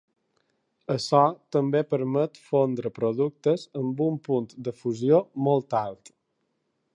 Açò també permet fondre productes amb un punt de fusió molt alt.